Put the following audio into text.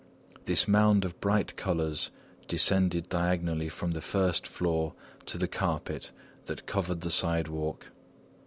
This mound of bright colours descended diagonally from the first floor to the carpet that covered the sidewalk.